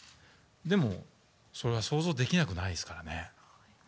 でも、それが想像できなくないですからね。